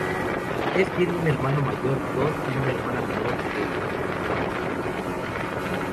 Él tiene un hermano mayor, Todd, y una hermana menor, Kelly.